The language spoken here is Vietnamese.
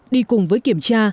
đi cùng với kiểm tra